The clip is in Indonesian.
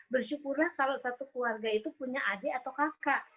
bersyukurlah kalau satu keluarga itu punya adik atau kakak